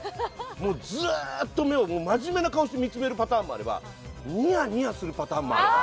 もうずっと目を真面目な顔して見つめるパターンもあればニヤニヤするパターンもあれば。